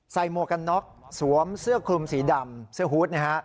หมวกกันน็อกสวมเสื้อคลุมสีดำเสื้อฮูตนะฮะ